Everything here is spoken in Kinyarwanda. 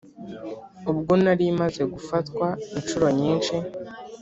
Ubwo nari maze gufatwa incuro nyinshi